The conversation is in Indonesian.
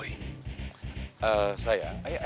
ini aku sudah di makam mami aku